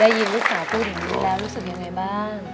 ได้ยินลูกสาวพูดอย่างนี้แล้วรู้สึกยังไงบ้าง